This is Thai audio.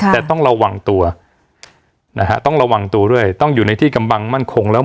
แต่ต้องระวังตัวนะฮะต้องระวังตัวด้วยต้องอยู่ในที่กำบังมั่นคงแล้ว